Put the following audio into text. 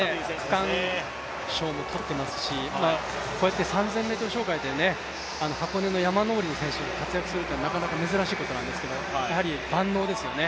区間賞も取っていますし、３０００ｍ障害で箱根の山登りの選手が活躍するのは、なかなか珍しいことなんですがやはり、万能ですよね。